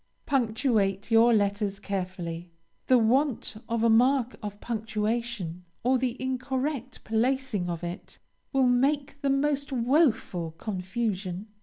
Punctuate your letters carefully. The want of a mark of punctuation, or the incorrect placing of it, will make the most woful confusion.